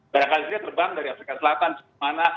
barangkali dia terbang dari afrika selatan ke mana